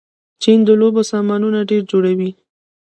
چین د لوبو سامانونه ډېر جوړوي.